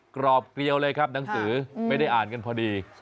กรอบเกลียวเลยครับหนังสือไม่ได้อ่านกันพอดี